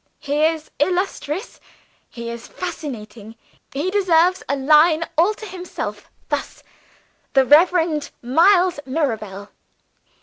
He is illustrious; he is fascinating; he deserves a line all to himself, thus: "The Reverend Miles Mirabel!